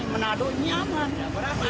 menado ini aman